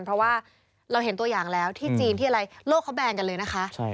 เพราะว่าเราเห็นตัวอย่างแล้วที่จีนที่อะไรโลกเขาแบนกันเลยนะคะ